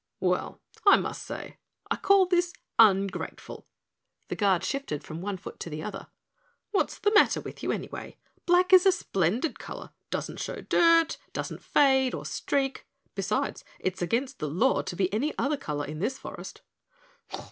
"Well, I must say I call this ungrateful," the Guard shifted from one foot to the other. "What's the matter with you, anyway? Black is a splendid color, doesn't show dirt, doesn't fade or streak. Besides it's against the law to be any other color in this forest."